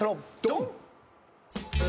ドン！